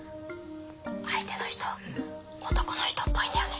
相手の人男の人っぽいんだよね。